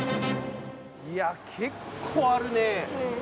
いや、結構あるね。